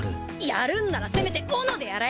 やるんならせめておのでやれ！